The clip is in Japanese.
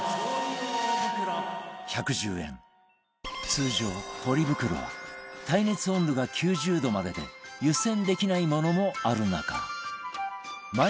通常ポリ袋は耐熱温度が９０度までで湯せんできないものもある中